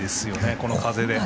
この風で。